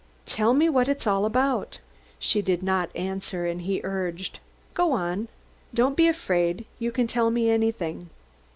"Tell me what it's all about." She did not answer, and he urged: "Go on. Don't be afraid. You can tell me anything."